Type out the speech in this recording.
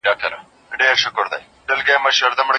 د خاوند او ميرمني تر منځ خاص محبت د ميني غريزه مشبوع کول دي